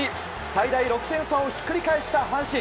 最大６点差をひっくり返した阪神。